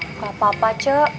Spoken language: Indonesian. gak apa apa ci